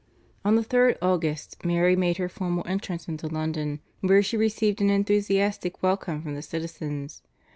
On the 3rd August Mary made her formal entrance into London where she received an enthusiastic welcome from the citizens.